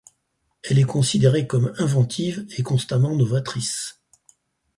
Elle est considérée comme inventive et constamment novatrice.